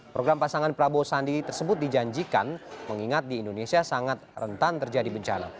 program pasangan prabowo sandi tersebut dijanjikan mengingat di indonesia sangat rentan terjadi bencana